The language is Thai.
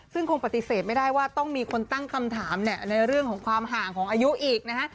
ซึ่งคงปฏิเสธไม่ได้ว่าต้องมีคนตั้งคำถามในเรื่องของความห่างของอายุอีกนะฮะ